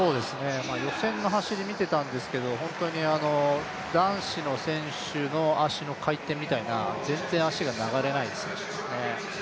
予選の走り見てたんですけど男子の選手の足の回転みたいな全然、足が流れないですね。